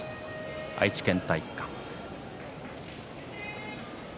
愛知県体育館です。